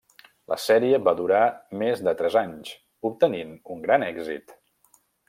La sèrie va durar més de tres anys, obtenint un gran èxit.